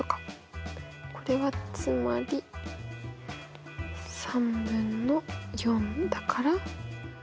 これはつまり３分の４だから。